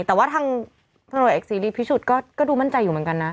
แต่ว่าทางธนไหนเอกซีรีส์พิสุทธิ์ก็ดูมั่นใจอยู่เหมือนกันนะ